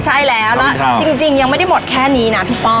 ใช่แล้วแล้วจริงยังไม่ได้หมดแค่นี้นะพี่ป้อง